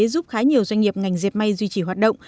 giúp khá nhiều doanh nghiệp ngành dẹp may duy trì hoạt động